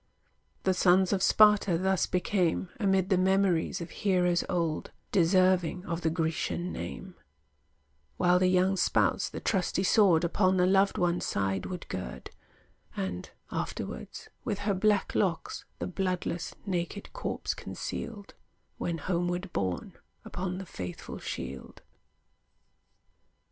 The sons of Sparta thus became, Amid the memories of heroes old, Deserving of the Grecian name; While the young spouse the trusty sword Upon the loved one's side would gird, And, afterwards, with her black locks, The bloodless, naked corpse concealed, When homeward borne upon the faithful shield.